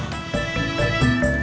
terima kasih bang